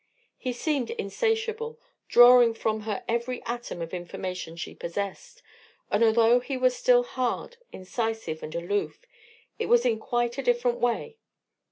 He seemed insatiable, drawing from her every atom of information she possessed, and although he was still hard, incisive, and aloof, it was in quite a different way.